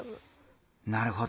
なるほど。